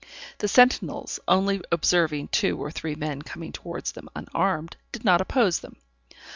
The sentinels only observing two or three men coming towards them unarmed, did not oppose them.